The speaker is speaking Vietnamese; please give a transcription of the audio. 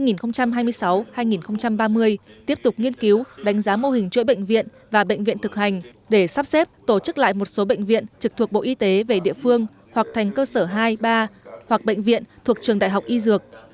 giai đoạn hai nghìn hai mươi sáu hai nghìn ba mươi tiếp tục nghiên cứu đánh giá mô hình chuỗi bệnh viện và bệnh viện thực hành để sắp xếp tổ chức lại một số bệnh viện trực thuộc bộ y tế về địa phương hoặc thành cơ sở hai ba hoặc bệnh viện thuộc trường đại học y dược